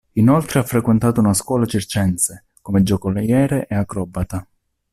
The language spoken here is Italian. Inoltre ha frequentato una scuola circense, come giocoliere e acrobata.